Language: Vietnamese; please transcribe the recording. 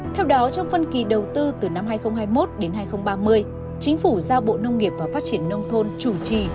theo đó trong phân kỳ đầu tư từ năm hai nghìn hai mươi một đến hai nghìn ba mươi chính phủ giao bộ nông nghiệp và phát triển nông thôn chủ trì